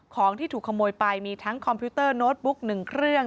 ของที่ถูกขโมยไปมีทั้งคอมพิวเตอร์โน้ตบุ๊ก๑เครื่อง